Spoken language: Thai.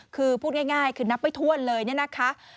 คือพูดง่ายคือนับไม่ถ้วนเลยเนี่ยนะคะ